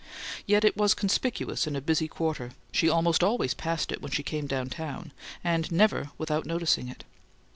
Yet it was conspicuous in a busy quarter; she almost always passed it when she came down town, and never without noticing it.